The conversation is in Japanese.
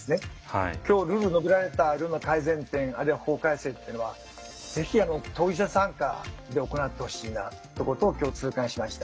今日述べられたような改善点あるいは法改正っていうのはぜひ当事者参加で行ってほしいなってことを今日痛感しました。